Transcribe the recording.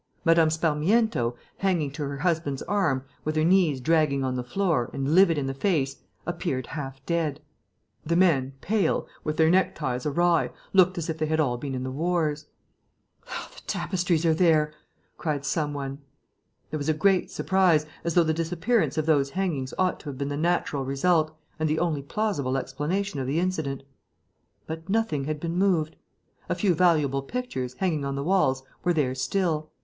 Mme. Sparmiento, hanging to her husband's arm, with her knees dragging on the floor, and livid in the face, appeared half dead. The men, pale, with their neckties awry, looked as if they had all been in the wars. "The tapestries are there!" cried some one. There was a great surprise, as though the disappearance of those hangings ought to have been the natural result and the only plausible explanation of the incident. But nothing had been moved. A few valuable pictures, hanging on the walls, were there still.